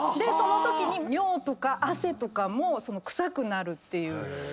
そのとき尿とか汗とかも臭くなるという。